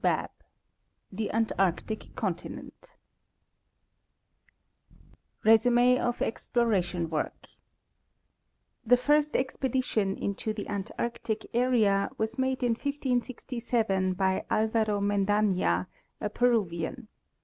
BABB THE ANTARCTIC CONTINENT®* Résumé of Exploration Work.—The first expedition into the Antarctic area was made in 1567 by Alvaro Mendafia, a Peru vian.